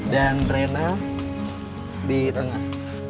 dan rena di tengah